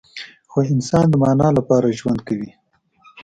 خو انسان د معنی لپاره ژوند کوي.